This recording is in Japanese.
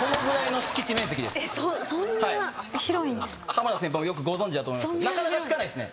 浜田先輩もよくご存じだと思いますけどなかなか着かないですね。